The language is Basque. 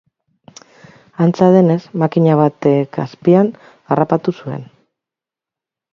Antza denez, makina batek azpian harrapatu zuen.